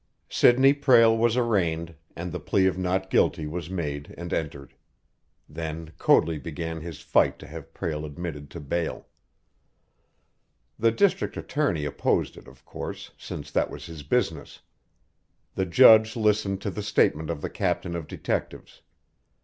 Sidney Prale was arraigned, and the plea of not guilty was made and entered. Then Coadley began his fight to have Prale admitted to bail. The district attorney opposed it, of course, since that was his business. The judge listened to the statement of the captain of detectives.